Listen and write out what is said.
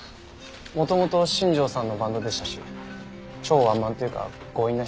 元々新庄さんのバンドでしたし超ワンマンというか強引な人だったので。